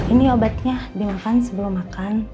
ini obatnya dimakan sebelum makan